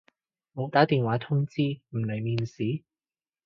冇打電話通知唔嚟面試？